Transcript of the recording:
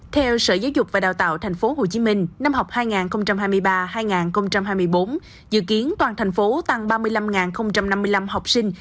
theo sở giáo dục và đào tạo tp hcm năm học hai nghìn hai mươi ba hai nghìn hai mươi bốn dự kiến toàn thành phố tăng ba mươi năm năm mươi năm học sinh